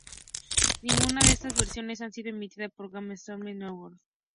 Ninguna de estas versiones ha sido emitida por Game Show Network.